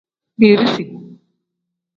Birisi.